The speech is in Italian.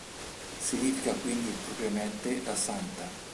Significa quindi propriamente "la santa".